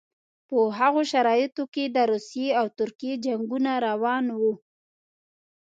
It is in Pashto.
په هغو شرایطو کې د روسیې او ترکیې جنګونه روان وو.